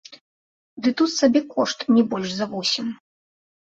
Ды тут сабекошт не больш за восем!